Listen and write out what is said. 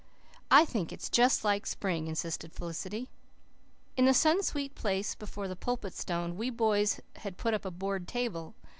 "I think it's just like spring," insisted Felicity. In the sun sweet place before the Pulpit Stone we boys had put up a board table.